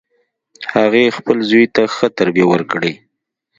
هغې خپل زوی ته ښه تربیه ورکړي